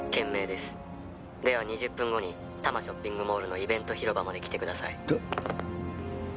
では２０分後に多摩ショッピングモールのイベント広場まで来てください」